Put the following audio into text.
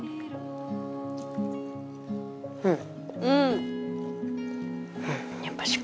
うん。